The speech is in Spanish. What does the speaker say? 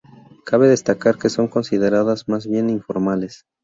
Cabe destacar que son consideradas más bien informales.